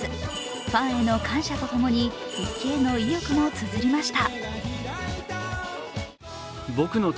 ファンへの感謝と共に復帰への意欲もつづりました。